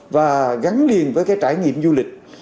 và gắn liền với cái trải nghiệm du lịch